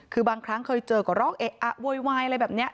คือบางครั้งเคยเจอก็ร้องเอะอะโวยวายอะไรแบบนี้